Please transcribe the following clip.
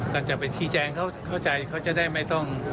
เราจะไปชี้แจงเข้าใจเขาจะได้ไม่ต้อง